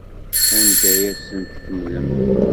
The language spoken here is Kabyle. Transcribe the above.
Anda ay asen-tkemmlem?